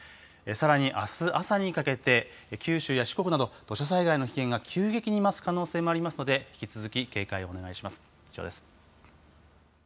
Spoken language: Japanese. さらに、あす朝にかけて九州や四国など、土砂災害の危険が急激に増す可能性もありますので、引き続き警戒をお願いします。